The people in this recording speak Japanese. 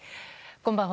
こんばんは。